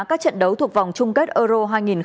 các trận đấu thuộc vòng chung kết euro hai nghìn hai mươi